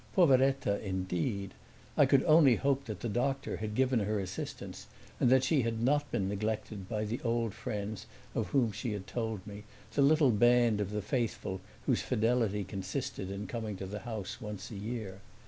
Poveretta indeed! I could only hope that the doctor had given her assistance and that she had not been neglected by the old friends of whom she had told me, the little band of the faithful whose fidelity consisted in coming to the house once a year.